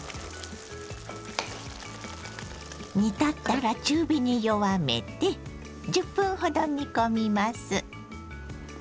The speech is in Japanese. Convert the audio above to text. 煮立ったら中火に弱めて１０分ほど煮込みます。